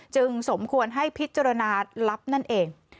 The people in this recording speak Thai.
สมควรให้พิจารณาลับนั่นเอง